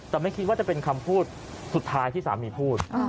แต่ไม่คิดว่าจะเป็นคำพูดสุดท้ายที่สามีพูด